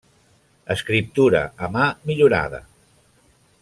Escriptura a mà millorada: